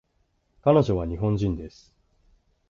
彼女は日本人です